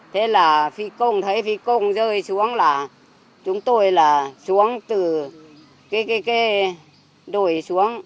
thế là thấy phi công rơi xuống là chúng tôi là xuống từ cái đồi xuống